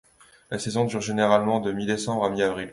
La saison dure généralement de mi-décembre à mi avril.